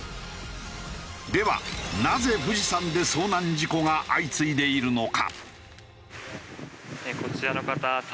ではなぜ富士山で遭難事故が相次いでいるのか？